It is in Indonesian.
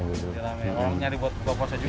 ngomong nyari buat bubuk puasa juga